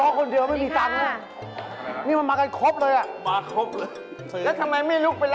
โอ้โฮนี่มันยกโยงมามาเลยนี่